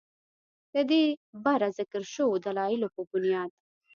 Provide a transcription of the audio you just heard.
ددې بره ذکر شوو دلايلو پۀ بنياد